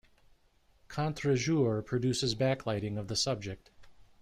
Contre-jour produces backlighting of the subject.